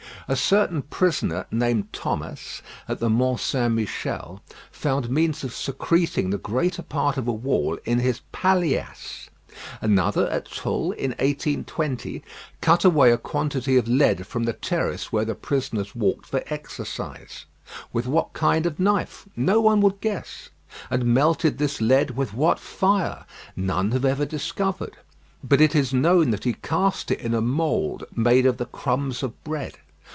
A certain prisoner named Thomas, at the Mont Saint Michel, found means of secreting the greater part of a wall in his paillasse. Another at Tulle, in 1820, cut away a quantity of lead from the terrace where the prisoners walked for exercise. With what kind of knife? No one would guess. And melted this lead with what fire? None have ever discovered; but it is known that he cast it in a mould made of the crumbs of bread.